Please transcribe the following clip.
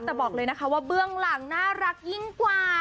แต่บอกเลยนะคะว่าเบื้องหลังน่ารักยิ่งกว่า